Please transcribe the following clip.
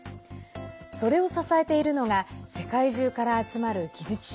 それを支えているのが世界中から集まる技術者。